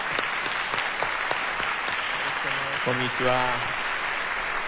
こんにちは。